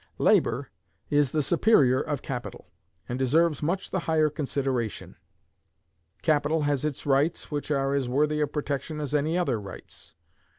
Labor is the superior of capital, and deserves much the higher consideration. Capital has its rights, which are as worthy of protection as any other rights.